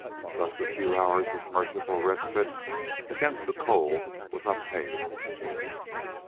Thus a few hours of merciful respite against the cold was obtained.